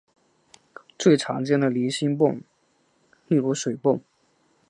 最常见的离心泵例如水泵。